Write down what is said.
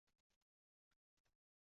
Koinotda